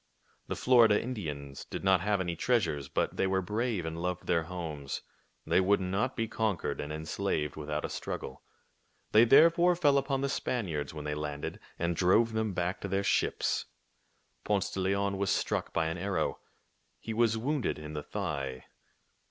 The Florida Indians did not have any treasures ; but they were brave and loved their homes. They would not be conquered and enslaved without a struggle. They therefore fell upon the Spaniards when they landed, and drove them back to their ships. Ponce de Leon was struck by an arrow. He was wounded in the thigh.